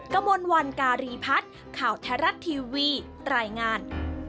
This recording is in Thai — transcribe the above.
กระมวลวันการีพัฒน์ข่าวไทยรัฐทีวีรายงาน